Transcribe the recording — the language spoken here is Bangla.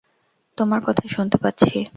তোমার কথা শুনতে পাচ্ছি।